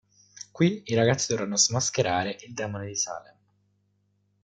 Qui i ragazzi dovranno smascherare il Demone di Salem.